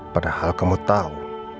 padahal kamu tahu